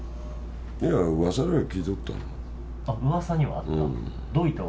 いや、うわさでは聞いとった。